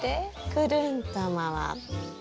くるんと回って。